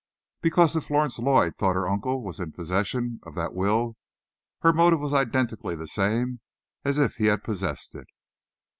"Because, if Florence Lloyd thought her uncle was in possession of that will, her motive was identically the same as if he had possessed it.